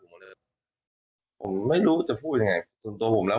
หมดเลยผมไม่รู้จะพูดยังไงส่วนตัวผมแล้ว